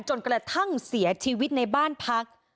จนกระทั่งเสียชีวิตในบ้านพัก